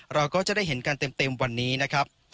เราก็จะได้เห็นกันเต็มวันนี้นะครับ